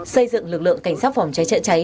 xây dựng lực lượng cảnh sát phòng cháy chữa cháy